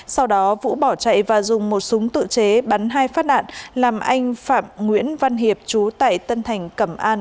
sau đó vũ bỏ chạy và dùng một súng tự chế bắn hai phát đạn làm anh phạm nguyễn văn hiệp chú tại tân thành cẩm an